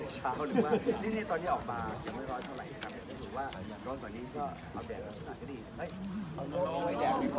อ้าวเธออยากไปก็ต้องเปลี่ยนก่อน